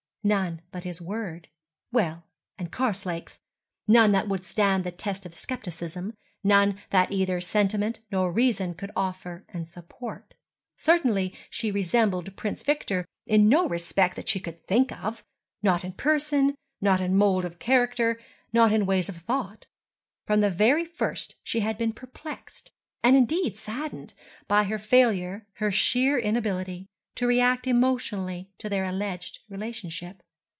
None but his word.... Well, and Karslake's.... None that would stand the test of skepticism, none that either sentiment or reason could offer and support. Certainly she resembled Prince Victor in no respect that she could think of, not in person, not in mould of character, not in ways of thought. From the very first she had been perplexed, and indeed saddened, by her failure, her sheer inability, to react emotionally to their alleged relationship.